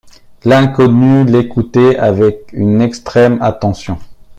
L’inconnu l’écoutait avec une extrême attention.